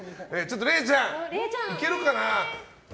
れいちゃん、いけるかな？